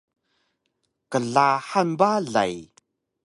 Qlahang balay!